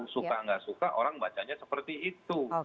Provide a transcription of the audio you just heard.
suka nggak suka orang bacanya seperti itu